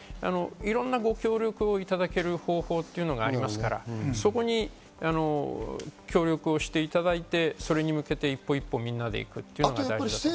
いろんなご協力をいただける方法っていうのがありますから、そこに協力していただいて、そこに向けて一歩一歩みんなで行くっていうことです。